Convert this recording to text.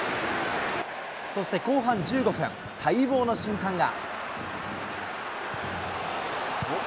そして後半１５分、待望の瞬間が。